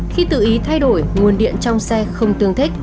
khi tự ý thay đổi nguồn điện trong xe không tương thích